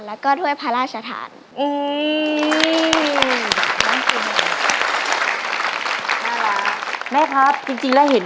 แล้วก็ด้วยพระราชธานอือน่ารักแม่ครับจริงจริงแล้วเห็น